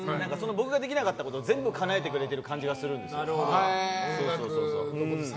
僕ができなかったことを全部かなえてくれてる感じがするんですよ。